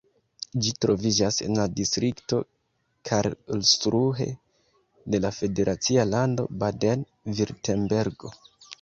Ĝi troviĝas en la distrikto Karlsruhe de la federacia lando Baden-Virtembergo.